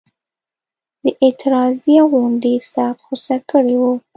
د اعتراضیه غونډې سخت غوسه کړي وو.